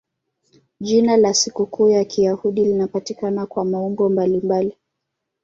Jina la sikukuu ya Kiyahudi linapatikana kwa maumbo mbalimbali.